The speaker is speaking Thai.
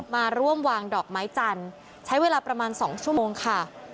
มาร่วมวางดอกไม้จันทร์ใช้เวลาประมาณ๒ชั่วโมงค่ะ